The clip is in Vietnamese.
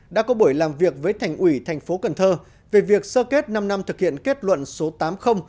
đã có buổi làm việc với thành ủy tp cnh về việc sơ kết năm năm thực hiện kết luận số tám